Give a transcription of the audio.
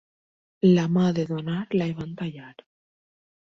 La mà de donar la hi van tallar.